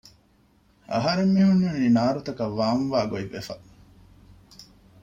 އަހަރެން މިހުންނަނީ ނާރުތަކަށް ވާން ވާ ގޮތްވެފަ